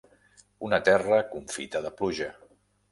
Una terra confita de pluja.